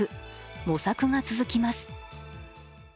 模索が続きます。